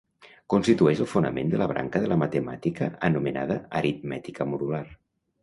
Constitueix el fonament de la branca de la matemàtica anomenada aritmètica modular.